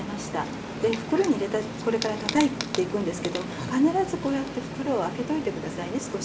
袋に入れてこれからたたいていくんですけども必ずこうやって袋を開けといて下さいね少し。